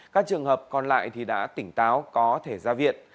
các trường hợp còn lại đã tỉnh táo có thể ra viện